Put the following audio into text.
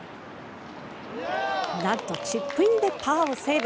なんとチップインでパーをセーブ。